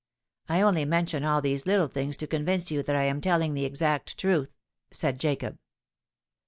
"I only mention all these little things to convince you that I am telling the exact truth," said Jacob.